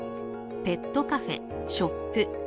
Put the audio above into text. ペットカフェ・ショップ